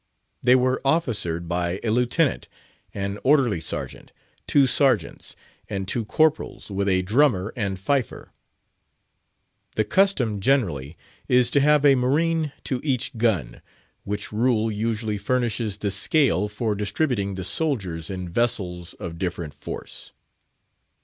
They were officered by a Lieutenant, an Orderly Sergeant, two Sergeants, and two Corporals, with a drummer and fifer. The custom, generally, is to have a marine to each gun; which rule usually furnishes the scale for distributing the soldiers in vessels of different force.